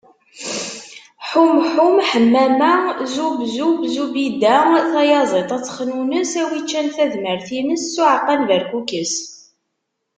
Ḥum ḥum, Ḥemmama. Zub zub, Zubid. Tayaziḍt ad texnunes, a wi ččan tadmert-ines, s uɛeqqa n berkukes.